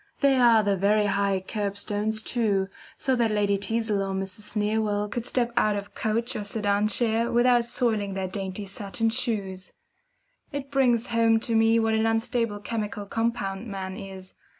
There are the very high curbstones too, so that Lady Teazle or Mrs. Sneerwell could step out of coach or sedan chair without soiling her dainty satin shoes. It brings home to me what an unstable chemical compound man is.